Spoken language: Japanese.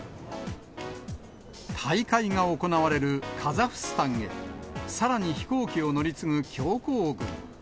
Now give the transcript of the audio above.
大会が行われるカザフスタンへ、さらに飛行機を乗り継ぐ強行軍。